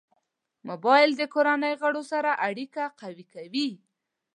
موبایل د کورنۍ غړو سره اړیکه قوي کوي.